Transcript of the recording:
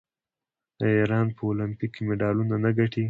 آیا ایران په المپیک کې مډالونه نه ګټي؟